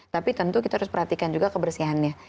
tapi tentu kita harus perhatikan juga kebersihannya